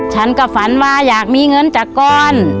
ฉันก็ฝันว่าอยากมีเงินจากกร